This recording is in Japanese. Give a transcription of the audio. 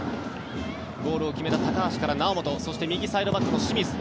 ゴールを決めた高橋から猶本そして、右サイドバックの清水。